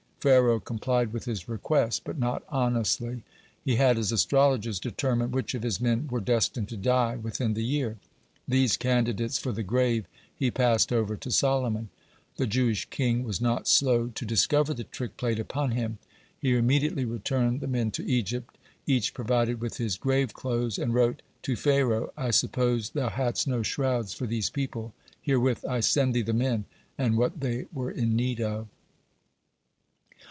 Pharaoh complied with his request, but not honestly. He had his astrologers determine which of his men were destined to die within the year. These candidates for the grave he passed over to Solomon. The Jewish king was not slow to discover the trick played upon him. He immediately returned the men to Egypt, each provided with his grave clothes, and wrote: "To Pharaoh! I suppose thou hadst no shrouds for these people. Herewith I send thee the men, and what they were in need of."